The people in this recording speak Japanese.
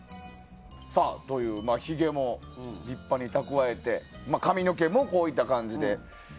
ひげも立派に蓄えて髪の毛もこういった感じで。